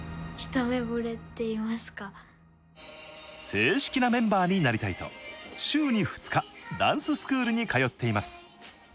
正式なメンバーになりたいと週に２日ダンススクールに通っています。